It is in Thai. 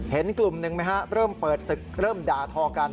เห็นกลุ่มหนึ่งไหมฮะเริ่มเปิดศึกเริ่มด่าทอกัน